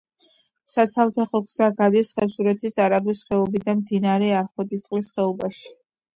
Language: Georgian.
საცალფეხო გზა გადადის ხევსურეთის არაგვის ხეობიდან მდინარე არხოტისწყლის ხეობაში.